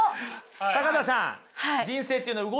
坂田さん